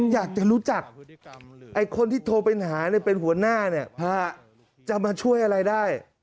อยากจะรู้จักคนที่โทรไปหาเป็นหัวหน้าพระจะมาช่วยอะไรได้